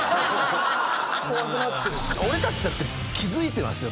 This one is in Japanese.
俺たちだって気付いてますよ。